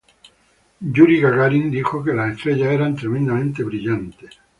Yuri Gagarin dijo que las estrellas eran tremendamente brillantes.